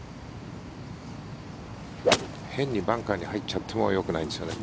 変にバンカーに入っちゃってもよくないんですよね。